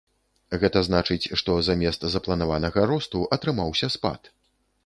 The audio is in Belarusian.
Гэта значыць, што замест запланаванага росту атрымаўся спад.